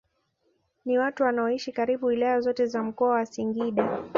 Ni watu wanaoishi karibu wilaya zote za mkoa wa Singida